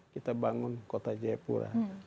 kita bangun kota jaipura